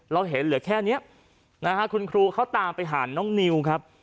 เราเห็นเหลือแค่นี้นะฮะคุณครูเขาตามไปหาน้องนิวครับ